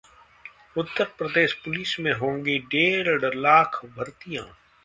उत्तर Pradesh police में होंगी डेढ़ लाख भर्तियां